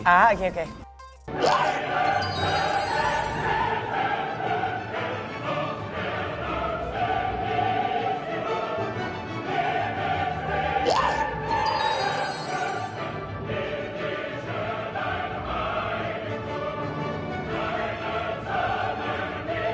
อ่าโอเค